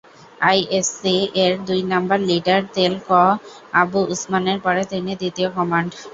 ISC এর দুই number leader, তেল ক আবু উসমানের পর তিনি দ্বিতীয় কমান্ড।